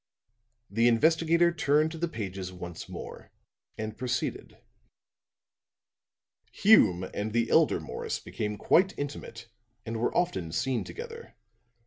The investigator turned to the pages once more, and proceeded: "'Hume and the elder Morris became quite intimate and were often seen together.